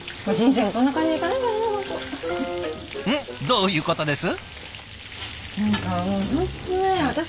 どういうことです？